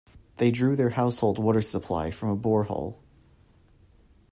They drew their household water supply from a borehole.